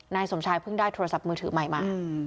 นายสมชายเพิ่งได้โทรศัพท์มือถือใหม่มา